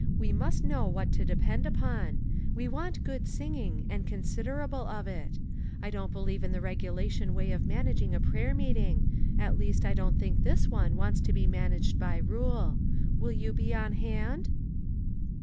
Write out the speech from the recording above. We must know what to depend upon. We want good singing, and considerable of it. I don't believe in the regulation way of managing a prayer meeting; at least I don't think this one wants to be managed by rule. Will you be on hand?"